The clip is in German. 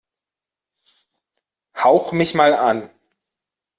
Hauch mich mal an!